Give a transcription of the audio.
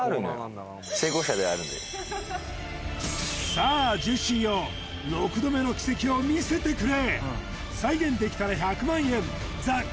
さあジェシーよ６度目の奇跡を見せてくれ！